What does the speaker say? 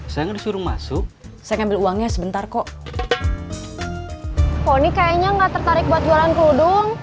saya disuruh masuk saya ngambil uangnya sebentar kok ini kayaknya nggak tertarik buat jualan kerudung